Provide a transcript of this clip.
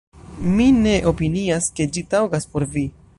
Mi ne opinias, ke ĝi taŭgas por vi"".